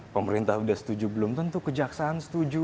pemerintah sudah setuju belum tentu kejaksaan setuju